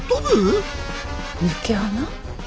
抜け穴？